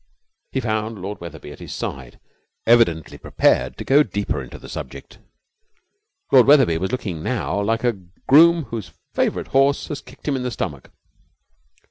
He found Lord Wetherby at his side, evidently prepared to go deeper into the subject. Lord Wetherby was looking now like a groom whose favourite horse has kicked him in the stomach.